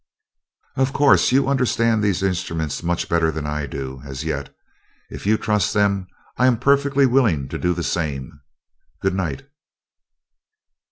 "Of course, you understand these instruments much better than I do, as yet. If you trust them, I am perfectly willing to do the same. Goodnight."